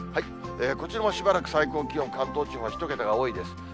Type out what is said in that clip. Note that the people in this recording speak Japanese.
こちらもしばらく最高気温、関東地方は１桁が多いです。